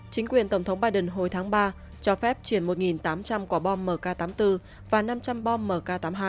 chính quyền tổng thống biden hồi tháng ba cho phép chuyển một tám trăm linh quả bom mk tám mươi bốn và năm trăm linh bom mk tám mươi hai